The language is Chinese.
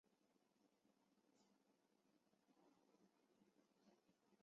会东县是中国四川省凉山彝族自治州所辖的一个县。